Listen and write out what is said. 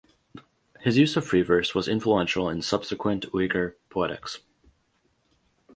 His use of free verse was influential in subsequent Uyghur poetics.